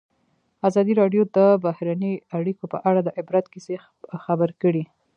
ازادي راډیو د بهرنۍ اړیکې په اړه د عبرت کیسې خبر کړي.